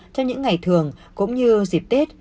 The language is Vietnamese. trong những ngày thường cũng như dịp tết